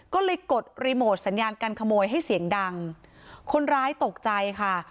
ก็เลยกดรีโมทสัญญาการขโมยให้เสียงดังคนร้ายตกใจค่ะ